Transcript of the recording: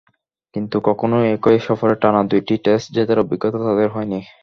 কিন্তু কখনোই একই সফরে টানা দুটি টেস্ট জেতার অভিজ্ঞতা তাদের হয়নি।